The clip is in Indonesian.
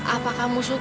apa kamu suka sama aku